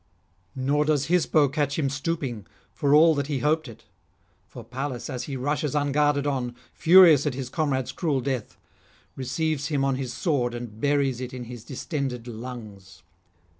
Nor does Hisbo catch him stooping, for all that he hoped it; for Pallas, as he rushes unguarded on, furious at his comrade's cruel death, receives him on his sword and buries it in his distended lungs.